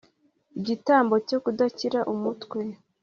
igitambo cyo kudakira umutwe